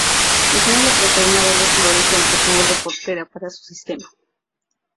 Usaron a la proteína verde fluorescente como reportera para su sistema.